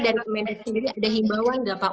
dari pemenang sendiri ada himbawan gak pak